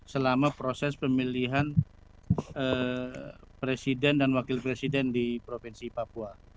selama proses pemilihan presiden dan wakil presiden di provinsi papua